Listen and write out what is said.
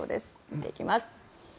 見ていきます。